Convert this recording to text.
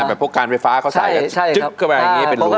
ว่าพวกการไฟฟ้าเค้าใส่กับแบบนี้เป็นรู